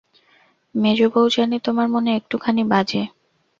মেজোবউ, জানি তোমার মনে একটুখানি বাজে।